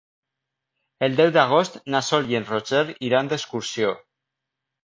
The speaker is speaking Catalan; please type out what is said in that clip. El deu d'agost na Sol i en Roger iran d'excursió.